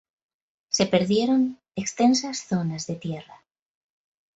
Se perdieron extensas zonas de tierra.